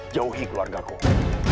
jauhi keluarga kamu